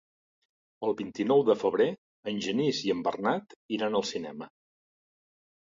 El vint-i-nou de febrer en Genís i en Bernat iran al cinema.